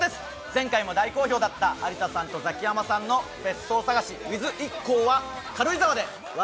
前回も大好評だった有田さんとザキヤマさんの「別荘探しｗｉｔｈＩＫＫＯ」は軽井沢で笑